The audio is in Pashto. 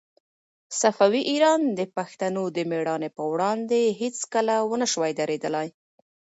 صفوي ایران د پښتنو د مېړانې په وړاندې هيڅکله ونه شوای درېدلای.